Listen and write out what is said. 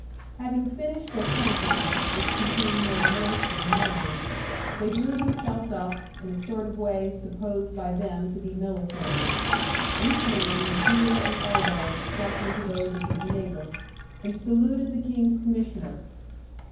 Having finished their canticle, which contained more mirth than melody, they drew themselves up, in a sort of way supposed by them to be military, each man with heel and elbow struck into those of his neighbour, and saluted the King's Commissioner.